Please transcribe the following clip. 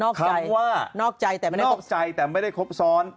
คำว่านอกใจแต่ไม่ได้คบซ้อน